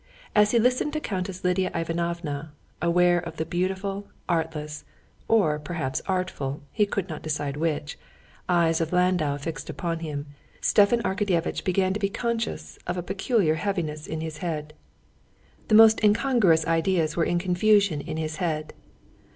As he listened to Countess Lidia Ivanovna, aware of the beautiful, artless—or perhaps artful, he could not decide which—eyes of Landau fixed upon him, Stepan Arkadyevitch began to be conscious of a peculiar heaviness in his head. The most incongruous ideas were in confusion in his head.